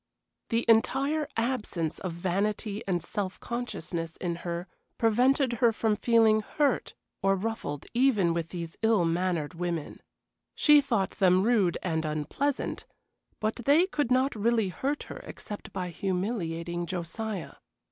The entire absence of vanity and self consciousness in her prevented her from feeling hurt or ruffled even with these ill mannered women. She thought them rude and unpleasant, but they could not really hurt her except by humiliating Josiah.